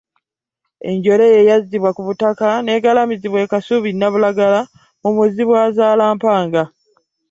Enjole ye yazzibwa ku butaka n’egalamizibwa e Kasubi Nabulagala mu Muzibwazaalampanga.